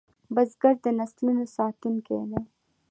بزګر د نسلونو ساتونکی دی